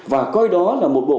và coi đó là một bộ